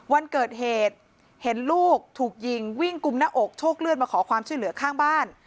วันเกิดเหตุเห็นลูกถูกยิงวิ่งกุมหน้าอกโชคเลือดมาขอความช่วยเหลือข้างบ้าน